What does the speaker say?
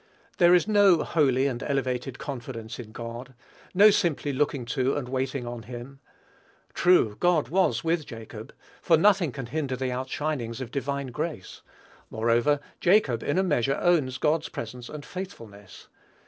There is no holy and elevated confidence in God, no simply looking to and waiting on him. True, God was with Jacob, for nothing can hinder the outshinings of divine grace. Moreover, Jacob in a measure owns God's presence and faithfulness.